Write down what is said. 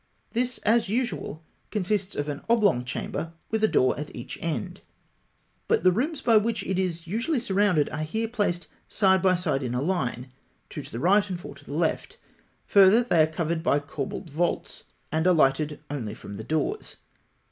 This, as usual, consists of an oblong chamber with a door at each end; but the rooms by which it is usually surrounded are here placed side by side in a line, two to the right and four to the left; further, they are covered by "corbelled" vaults, and are lighted only from the doors.